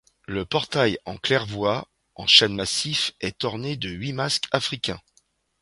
Le portail en claire-voie, en chêne massif, est orné de huit masques africains.